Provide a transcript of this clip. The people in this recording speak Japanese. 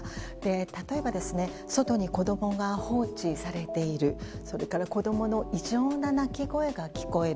例えば外に子供が放置されているそれから、子供の異常な泣き声が聞こえる。